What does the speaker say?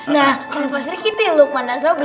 nah pak sikiti lukman dan zobri